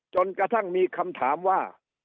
จนกระทั่งมีคำถามว่า